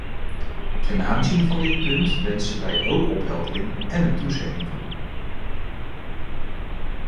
Ten aanzien van dit punt wensen wij ook opheldering en een toezegging van u.